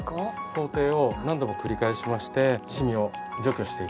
工程を何度も繰り返しましてしみを除去していきます。